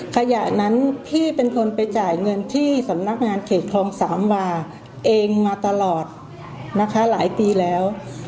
ขณะนั้นพี่เป็นคนไปจ่ายเงินที่สำนักงานเขตคลองสามวาเองมาตลอดนะคะหลายปีแล้ว